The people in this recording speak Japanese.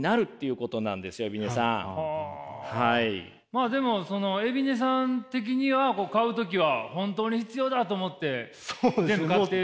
まあでもその海老根さん的には買う時は本当に必要だと思って全部買ってますもんね？